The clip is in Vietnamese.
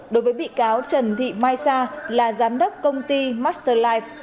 đối với bị cáo trần thị mai sa là giám đốc công ty master life